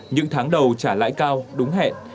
những tháng đầu trả lãi cao đúng hẹn